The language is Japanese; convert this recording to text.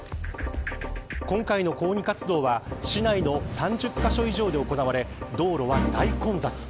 今回の抗議活動は市内の３０カ所以上で行われ道路は大混雑。